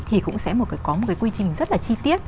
thì cũng sẽ có một cái quy trình rất là chi tiết